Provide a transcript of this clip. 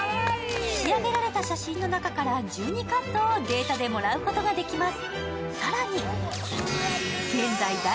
仕上げられた写真の中から１２カットをデータでもらうことができます。